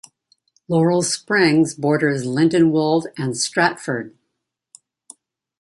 Laurel Springs borders Lindenwold and Stratford.